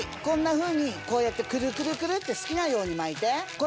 こんなふうにこうやってくるくるくるって好きなように巻いて。